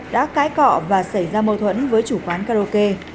đã cái cọ và xảy ra mâu thuẫn với chủ quán karaoke